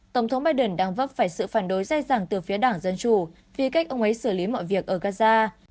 tổng thống biden đang vấp phải sự phản đối dai dẳng từ phía đảng dân chủ vì cách ông ấy xử lý mọi việc ở gaza